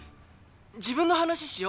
自分の話ししよ